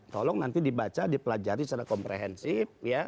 tolong nanti dibaca dipelajari secara komprehensif